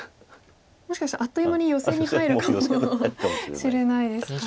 もしかしてあっという間にヨセに入るかもしれないですか。